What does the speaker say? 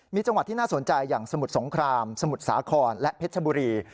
มีจังหวัดที่น่าสนใจอย่างสมุทรสงครามสมุทรสาครและเพชรบุรี